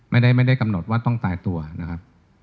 ไม่ได้กำหนดว่าต้องตายตัวนะครับ